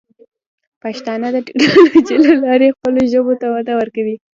پښتانه د ټیکنالوجۍ له لارې خپلو ژبو ته وده ورکوي.